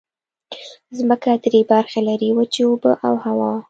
ځمکه درې برخې لري: وچې، اوبه او هوا.